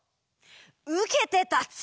うけてたつ！